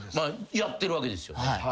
やってるわけですよ。